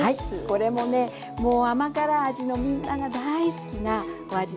これもねもう甘辛味のみんなが大好きなお味つけです。